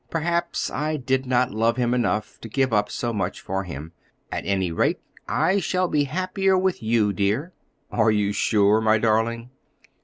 Perhaps I did not love him enough to give up so much for him. At any rate I shall be happier with you, dear." "Are you sure, my darling?"